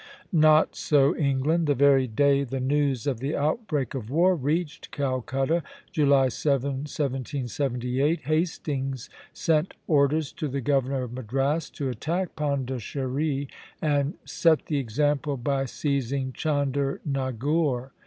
Not so England. The very day the news of the outbreak of war reached Calcutta, July 7, 1778, Hastings sent orders to the governor of Madras to attack Pondicherry, and set the example by seizing Chandernagore.